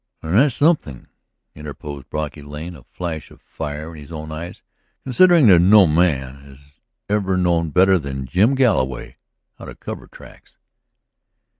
"And that's something," interposed Brocky Lane, a flash of fire in his own eyes. "Considering that no man ever knew better than Jim Galloway how to cover tracks."